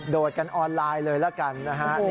กันออนไลน์เลยละกันนะฮะ